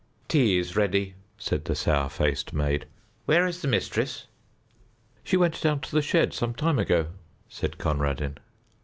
"Tea is ready," said the sour faced maid; "where is the mistress?" "She went down to the shed some time ago," said Conradin.